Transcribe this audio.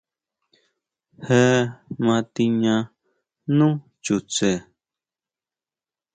Je ma tiña nú chutse.